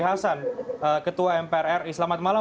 ya selamat malam